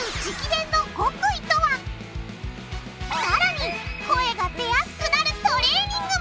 さらに声が出やすくなるトレーニングも！